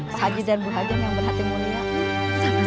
pak haji dan bu haja yang berhatimu niat